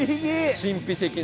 神秘的な。